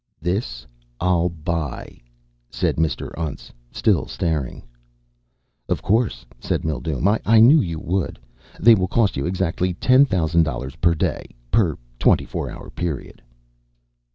"This I'll buy," said Mr. Untz, still staring. "Of course," said Mildume. "I knew you would. They will cost you exactly ten thousand dollars per day. Per twenty four hour period."